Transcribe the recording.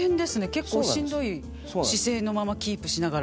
結構しんどい姿勢のままキープしながら。